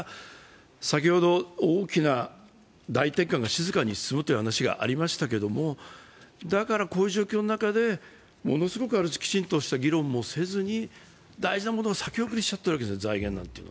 先ほど大きな大転換が静かに進むという話がありましたけれども、こういう状況の中ですごくきちんとした議論もせずに、大事なものを先送りしちゃっているわけですね。